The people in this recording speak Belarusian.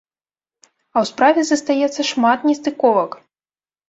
А ў справе застаецца шмат нестыковак!